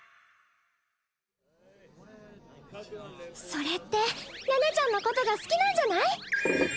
それって寧々ちゃんのことが好きなんじゃない？